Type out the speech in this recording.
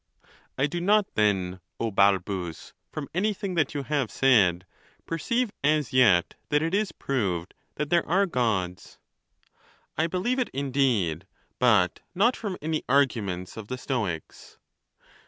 VII. I do not, then, O Balbus, from anything that yon have said, perceive as yet that it is proved that there are Gods. I believe it, indeed, but not from any arguments of the Stoics.